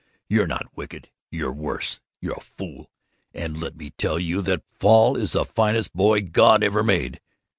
You're not wicked. You're worse. You're a fool. And let me tell you that Paul is the finest boy God ever made.